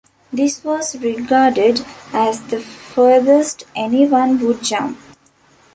This was regarded as the furthest anyone would jump.